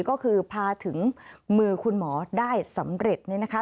ก็คือพาถึงมือคุณหมอได้สำเร็จนี่นะคะ